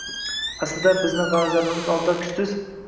aslida biz g‘azabimiz oldida kuchsiz emasmiz.